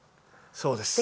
そうです。